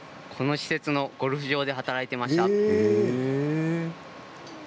この施設のゴルフ場で働いていました。